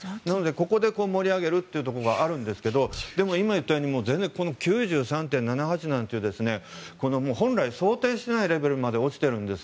ここで盛り上げるというところがあるんですが今言ったように９３．７８なんていう本来想定していないレベルまで落ちているんです。